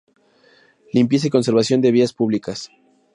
Limpieza y conservación de vías públicas.